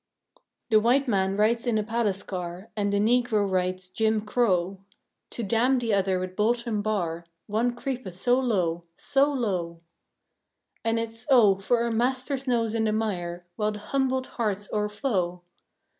The white man rides in a palace car, And the Negro rides "Jim Crow." To damn the other with bolt and bar, One creepeth so low; so low! And it's, oh, for a master's nose in the mire, While the humbled hearts o'erflow!